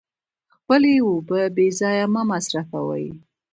خپلې اوبه بې ځایه مه مصرفوئ.